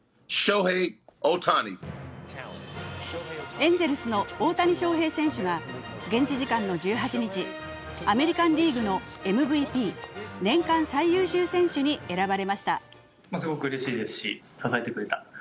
エンゼルスの大谷翔平選手が現地時間の１８日、アメリカンリーグのＭＶＰ＝年間最優秀選手に選ばれました。